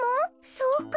そうか。